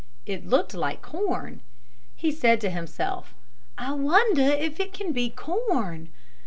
It looked like corn. He said to himself, "I wonder if it can be corn."